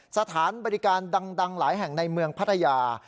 สถานบริการดังหลายแห่งในเมืองพัทยา